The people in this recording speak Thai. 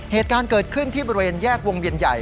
เหตุการณ์เกิดขึ้นที่บริเวณแยกวงเวียนใหญ่